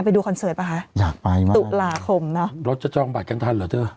คอนเสิร์ตป่ะคะอยากไปไหมตุลาคมเนอะรถจะจองบัตรกันทันเหรอเธอ